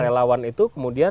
sekolah relawan itu kemudian